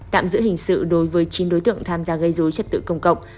tạm giữ hình sự đối với chín đối tượng tham gia gây dối trật tự công cộng